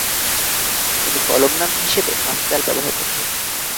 তিনি কলম নাম হিসেবে আফজাল ব্যবহার করতেন।